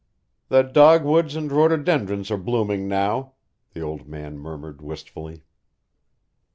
"The dogwoods and rhododendron are blooming now," the old man murmured wistfully.